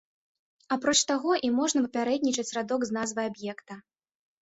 Апроч таго, ім можа папярэднічаць радок з назвай аб'екта.